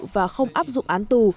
và không áp dụng án tù